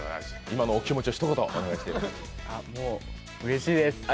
今のお気持ちをひと言お願いしていいですか？